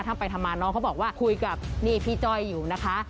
ทำไปทำมาน้องเขาบอกว่าคุยกับนี่พี่จ้อยอยู่นะคะ